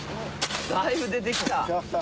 だいぶ出て来た。